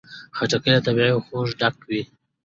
خټکی له طبیعي خوږو ډک وي.